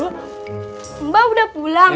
mbak udah pulang